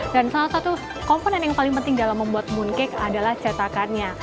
dan salah satu komponen yang paling penting dalam membuat mooncake adalah cetakannya